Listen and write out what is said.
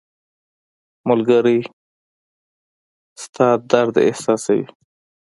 • ملګری د تا درد احساسوي.